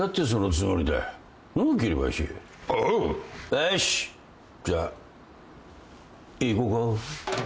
よしじゃあいこうか。